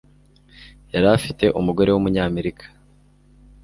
yari afite umugore wumunyamerika.